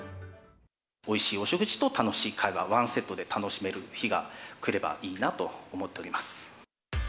おいしいお食事と楽しい会話ワンセットで楽しめる日がくればいいなと思っております。